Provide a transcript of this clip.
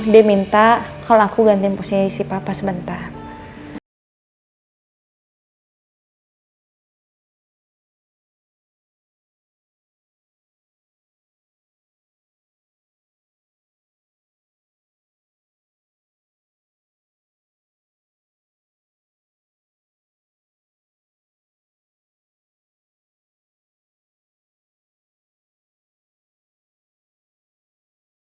dia minta kalo aku gantiin posisi papa sebentar